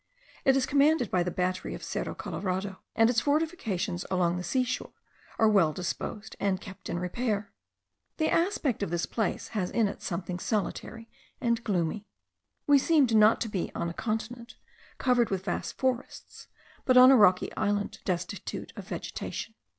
It is commanded by the battery of Cerro Colorado; and its fortifications along the sea shore are well disposed, and kept in repair. The aspect of this place has in it something solitary and gloomy; we seemed not to be on a continent, covered with vast forests, but on a rocky island, destitute of vegetation.